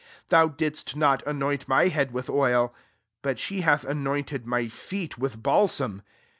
46 Thou didst not anoint my head with oil: but she hath anointed [my feetl with balsam.